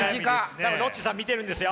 多分ロッチさん見てるんですよ。